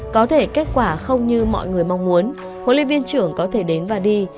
có thể kết quả không như mọi người mong muốn huấn luyện viên trưởng có thể đến và đi